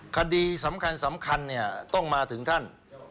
คดีสำคัญเนี่ยต้องมาถึงท่าน